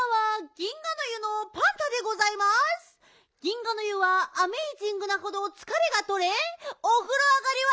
銀河の湯はアメイジングなほどつかれがとれおふろ上がりは。